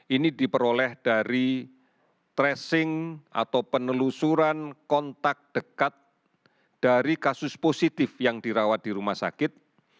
ini diperoleh dari tracing atau penelusuran kontak dekat dari kasus positif yang dirawat di rumah sakit